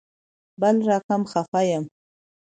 بل رقم خفه یم